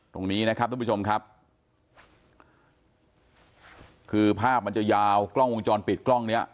ตรงนี้นะครับทุกผู้ชมครับคือภาพมันจะยาวกล้องวงจรปิดกล้องเนี้ย